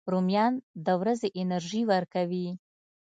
رومیان د ورځې انرژي ورکوي